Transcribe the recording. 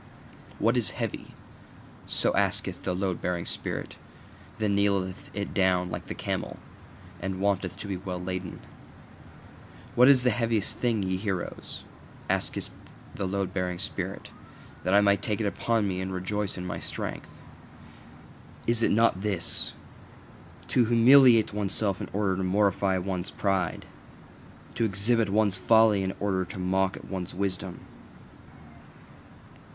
What is heavy? so asketh the load bearing spirit; then kneeleth it down like the camel, and wanteth to be well laden. What is the heaviest thing, ye heroes? asketh the load bearing spirit, that I may take it upon me and rejoice in my strength. Is it not this: To humiliate oneself in order to mortify one's pride? To exhibit one's folly in order to mock at one's wisdom?